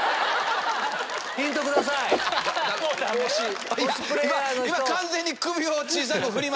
ヒントください！